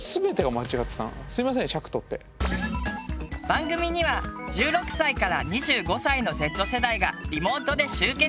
番組には１６歳から２５歳のＺ世代がリモートで集結。